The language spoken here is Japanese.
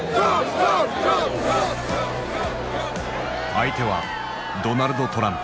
相手はドナルド・トランプ。